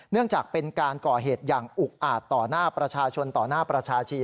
จากเป็นการก่อเหตุอย่างอุกอาจต่อหน้าประชาชนต่อหน้าประชาชี